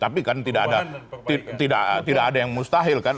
tapi kan tidak ada yang mustahil kan